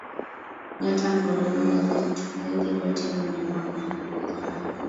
Nyota, ngurumo, vitu vingi vyote viumbwavyo kwa uwezo wako